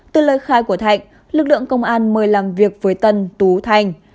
từ lời khai của thạnh lực lượng công an mời làm việc với tân tú thành